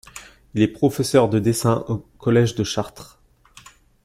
Il est professeur de dessin au collège de Chartres.